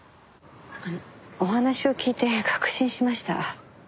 お話を聞いて確信しました。